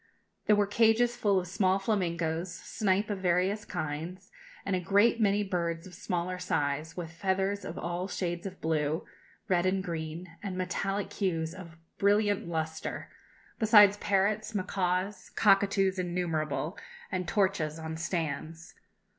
There were cages full of small flamingoes, snipe of various kinds, and a great many birds of smaller size, with feathers of all shades of blue, red, and green, and metallic hues of brilliant lustre, besides parrots, macaws, cockatoos innumerable, and torchas on stands.